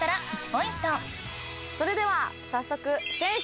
それでは早速。